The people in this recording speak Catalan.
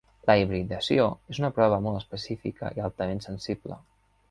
La hibridació és una prova molt específica i altament sensible.